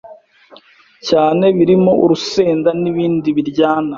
cyane ibirimo urusenda n’ibindi biryana